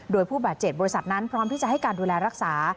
โดยผู้บาดเจ็บบริษัทนั้นพร้อมที่จะให้การดูแลรักษา